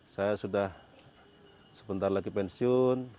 saya sudah sebentar lagi pensiun